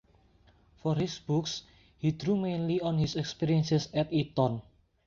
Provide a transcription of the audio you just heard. For his books he drew mainly on his experiences at Eton.